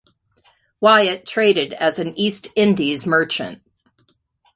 Wyatt traded as an East Indies merchant.